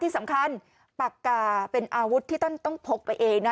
สำคัญปากกาเป็นอาวุธที่ท่านต้องพกไปเองนะ